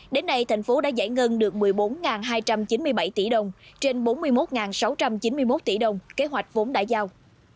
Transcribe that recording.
đến nay thành phố đã giải ngân được một mươi bốn hai trăm chín mươi bảy tỷ đồng trên bốn mươi một sáu trăm chín mươi một tỷ đồng kế hoạch vốn đã giao